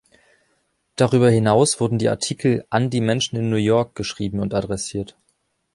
Darüber hinaus wurden die Artikel „An die Menschen in New York“ geschrieben und adressiert.